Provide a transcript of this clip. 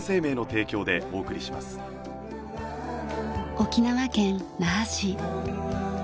沖縄県那覇市。